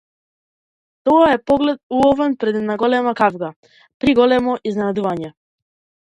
Тоа е поглед уловен по една голема кавга, при едно големо помирување.